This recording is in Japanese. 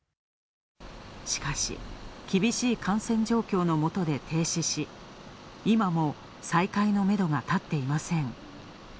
しかし、厳しい感染状況のもとで停止し、今も再開のめどが立っていません。